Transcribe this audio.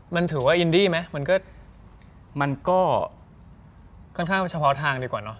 มันถือว่าอินดีไหมมันก็มันก็ค่อนข้างเฉพาะทางดีกว่าเนาะ